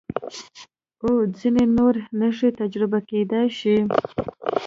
و ځینې نورې نښې تجربه کېدای شي.